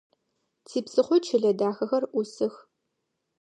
Типсыхъо чылэ дахэхэр ӏусых.